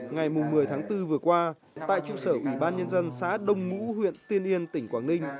ngày một mươi tháng bốn vừa qua tại trụ sở ủy ban nhân dân xã đông ngũ huyện tiên yên tỉnh quảng ninh